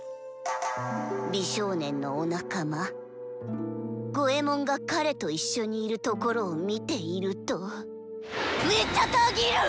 美少年のおなかまゴエモンが彼と一緒にいるところを見ているとめっちゃたぎる！